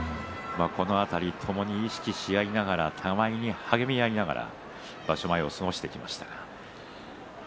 この辺りともに意識し合いながら互いに励みながら過ごしてきました。